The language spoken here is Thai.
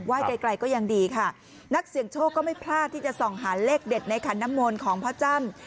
ไกลไกลก็ยังดีค่ะนักเสี่ยงโชคก็ไม่พลาดที่จะส่องหาเลขเด็ดในขันน้ำมนต์ของพ่อจ้ำ